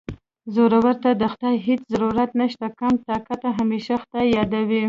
زورور ته د خدای هېڅ ضرورت نشته کم طاقته همېشه خدای یادوي